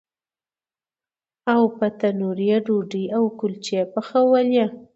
او په تنور یې ډوډۍ او کلچې پخولې.